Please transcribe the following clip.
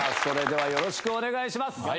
それではよろしくお願いします。